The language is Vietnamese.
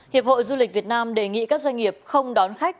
hiệp hội du lịch việt nam đề nghị các doanh nghiệp không đón khách